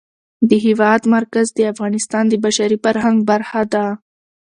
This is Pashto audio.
د هېواد مرکز د افغانستان د بشري فرهنګ برخه ده.